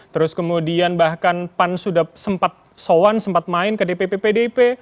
terus kemudian bahkan pan sudah sempat soan sempat main ke dpp pdip